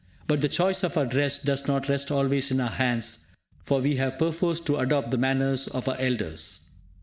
But the choice of our dress does not rest always in our hands, for we have perforce to adopt the manners of our elders.